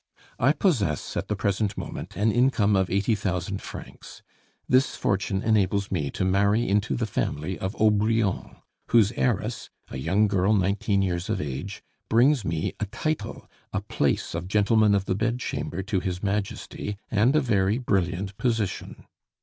I possess at the present moment an income of eighty thousand francs. This fortune enables me to marry into the family of Aubrion, whose heiress, a young girl nineteen years of age, brings me a title, a place of gentleman of the bed chamber to His Majesty, and a very brilliant position.